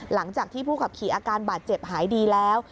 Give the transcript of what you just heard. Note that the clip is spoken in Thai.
หลังจากที่ผู้ขับขี่อาการบาดเจ็บหายดีแล้ว